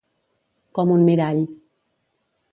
Com un mirall.